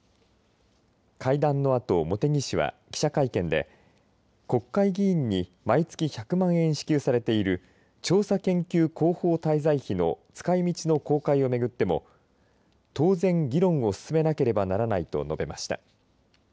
会談のあと茂木氏は記者会見で国会議員に毎月１００万円支給されている調査研究広報滞在費の使いみちの公開を巡っても当然、議論を進めなければならないと述べました。